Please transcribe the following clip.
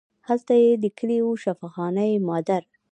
هلته یې لیکلي وو شفاخانه مادر.